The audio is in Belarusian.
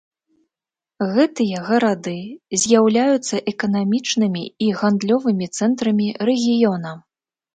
Гэтыя гарады з'яўляюцца эканамічнымі і гандлёвымі цэнтрамі рэгіёна.